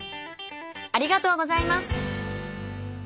ありがとうございます。